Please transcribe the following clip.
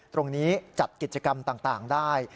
ตรงนี้จัดกิจกรรมต่างได้